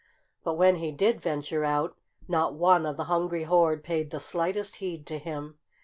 But when he did venture out, not one of the hungry horde paid the slightest heed to him.